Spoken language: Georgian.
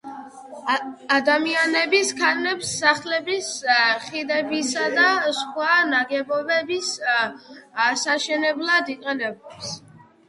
ადამიანის ქანებს სახლების, ხიდებისა და სხვა ნაგებობების ასაშენებლად იყენებს